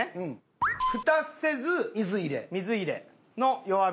蓋せず水入れの弱火。